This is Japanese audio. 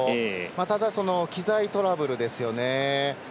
ただ、機材トラブルですよね。